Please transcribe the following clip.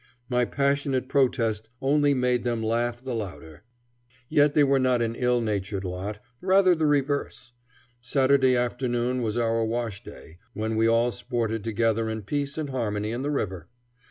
My passionate protest only made them laugh the louder. Yet they were not an ill natured lot, rather the reverse. Saturday afternoon was our wash day, when we all sported together in peace and harmony in the river.